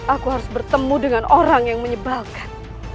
aku harus bertemu dengan orang yang menyebalkan